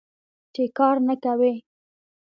چې کار نه کوې.